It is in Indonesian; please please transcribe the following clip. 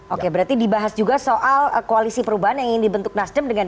oke berarti dibahas juga soal koalisi perubahan yang ingin dibentuk nasdem dengan